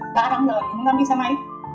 ta làm lời không làm đi sao mấy